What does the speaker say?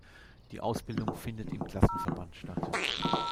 Die Ausbildung findet im Klassenverband statt.